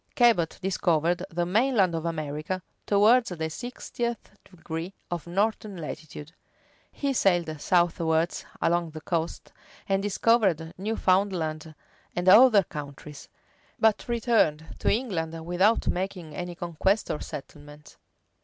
Cabot discovered the main land of America towards the sixtieth degree of northern latitude: he sailed southwards along the coast, and discovered Newfoundland and other countries; but returned to England without making any conquest or settlement.